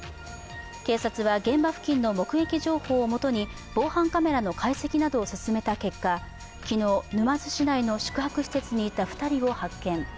警察は現場付近の目撃情報をもとに防犯カメラの解析などを進めた結果、昨日、沼津市内の宿泊施設にいた２人を発見。